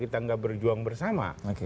kita tidak berjuang bersama